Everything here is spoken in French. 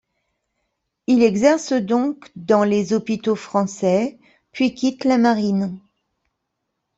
Il exerce donc dans les hôpitaux français, puis quitte la marine.